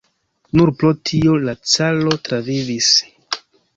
Nur pro tio la caro travivis.